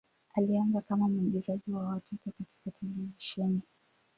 Alianza kama mwigizaji wa watoto katika televisheni.